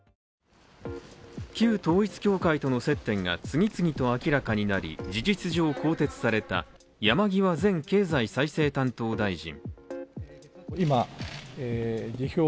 旧統一教会との接点が次々と明らかになり事実上、更迭された山際前経済再生担当大臣。